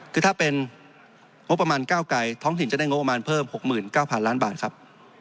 คือถ้าเป็นงบประมาณก้าวไกรท้องถิ่นจะได้งบประมาณเพิ่ม๖๙๐๐ล้านบาทครับ